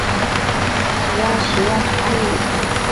主要使用法语。